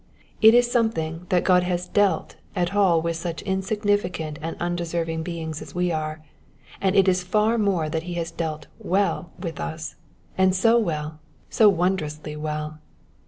It is something that God has dealt at all with such insignificant and unde serving beings as we are, and it is far more that he has dealt well with us, and so well, so wondrously well.